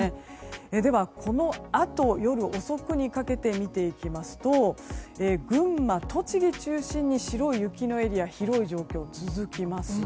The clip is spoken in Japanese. では、このあと夜遅くにかけて見ていきますと群馬、栃木中心に白い雪のエリアが広い状況が続きます。